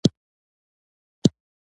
پلار يې په قهر ور روان شو.